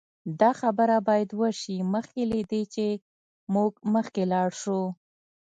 دا خبره باید وشي مخکې له دې چې موږ مخکې لاړ شو